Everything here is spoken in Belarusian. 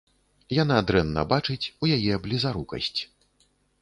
Яна дрэнна бачыць, у яе блізарукасць.